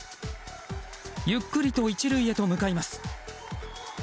ゆっくりと１塁へと向かいます。